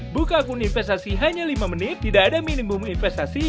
buka akun investasi hanya lima menit tidak ada minimum investasi